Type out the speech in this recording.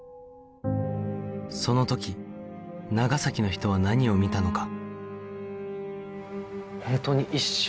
その時長崎の人は何を見たのか